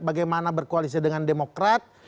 bagaimana berkoalisi dengan demokrat